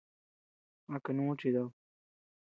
¿A kanú chidad?